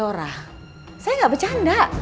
laura saya gak bercanda